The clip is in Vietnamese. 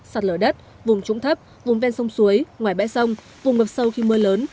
sạt lở đất vùng trũng thấp vùng ven sông suối ngoài bẽ sông vùng ngập sâu khi mưa lớn